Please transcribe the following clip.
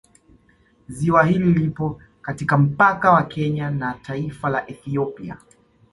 Ziwa hili lipo katika mpaka wa Kenya na taifa la Ethiopia